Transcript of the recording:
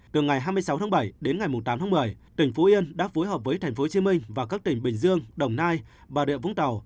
từ ngày hai mươi sáu tháng bảy đến ngày tám tháng một mươi tỉnh phú yên đã phối hợp với tp hcm và các tỉnh bình dương đồng nai bà rịa vũng tàu